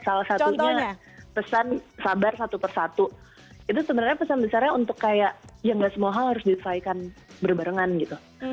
salah satunya pesan sabar satu persatu itu sebenarnya pesan besarnya untuk kayak ya gak semua hal harus diselesaikan berbarengan gitu